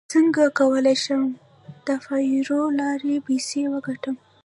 څنګه کولی شم د فایور له لارې پیسې وګټم